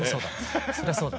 そりゃそうだ。